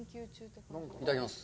いただきます。